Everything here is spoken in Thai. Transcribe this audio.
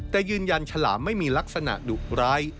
แต่ยืนยันฉลามไม่มีลักษณะดุร้าย